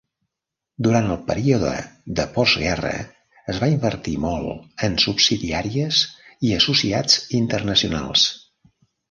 Durant el període de postguerra, es va invertir molt en subsidiàries i associats internacionals.